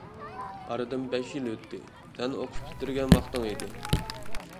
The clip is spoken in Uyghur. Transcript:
ئارىدىن بەش يىل ئۆتتى، سەن ئوقۇش پۈتتۈرگەن ۋاقتىڭ ئىدى.